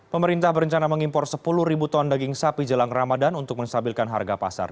pemerintah berencana mengimpor sepuluh ribu ton daging sapi jelang ramadan untuk menstabilkan harga pasar